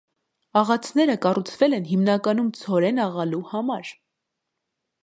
Աղացները կառուցվել են հիմնականում ցորեն աղալու համար։